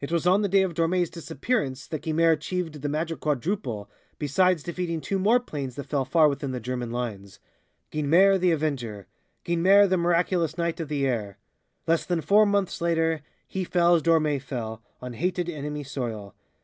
It was on the day of Dormé's disappearance that Guynemer achieved the Magic Quadruple, besides defeating two more planes that fell far within the German lines. Guynemer the avenger! Guynemer the miraculous knight of the air! Less than four months later he fell as Dormé fell, on hated enemy soil.